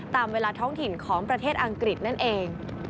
ตามเวลาท้องถิ่นของประเทศอังกฤษนั่นเอง